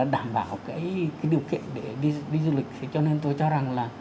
đảm bảo cái điều kiện để đi du lịch thì cho nên tôi cho rằng là